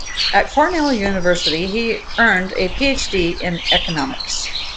At Cornell University he earned a Ph.D. in economics.